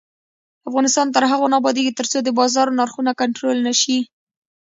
افغانستان تر هغو نه ابادیږي، ترڅو د بازار نرخونه کنټرول نشي.